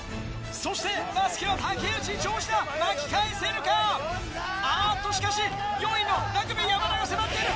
そしてバスケは竹内譲次だ巻き返せるか？あっとしかし４位のラグビー山田が迫っている。